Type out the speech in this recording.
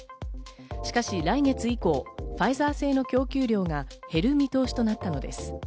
しかし来月以降、ファイザー製の供給量が減る見通しとなったのです。